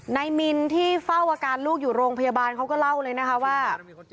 มินที่เฝ้าอาการลูกอยู่โรงพยาบาลเขาก็เล่าเลยนะคะว่า